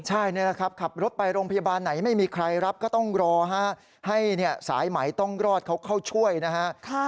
ใช่นี่แหละครับขับรถไปโรงพยาบาลไหนไม่มีใครรับก็ต้องรอให้สายไหมต้องรอดเขาเข้าช่วยนะฮะ